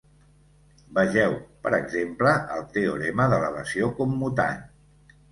Vegeu, per exemple, el teorema d'elevació commutant.